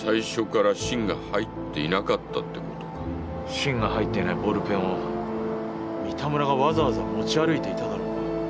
芯が入っていないボールペンを三田村がわざわざ持ち歩いていただろうか？